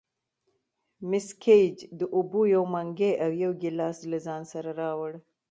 مس ګېج د اوبو یو منګی او یو ګیلاس له ځان سره راوړ.